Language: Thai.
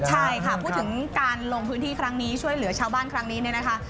ใช่ค่ะพูดถึงการลงพื้นที่ครั้งนี้ช่วยเหลือชาวบ้านครั้งนี้เนี่ยนะคะ